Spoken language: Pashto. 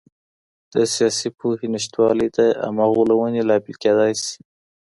د سياسي پوهي نشتوالی د عامه غولونې لامل کېدای سي.